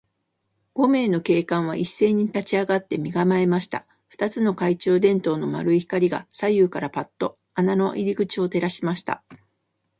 五名の警官はいっせいに立ちあがって、身がまえました。二つの懐中電燈の丸い光が、左右からパッと穴の入り口を照らしました。